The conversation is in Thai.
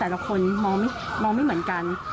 แต่ละคนมองไม่เหมือนกัน